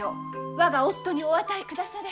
我が夫にお与えくだされ！